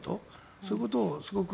そういうことをすごく。